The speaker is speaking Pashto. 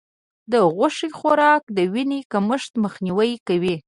د غوښې خوراک د وینې کمښت مخنیوی کوي.